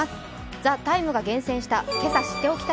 「ＴＨＥＴＩＭＥ，」が厳選した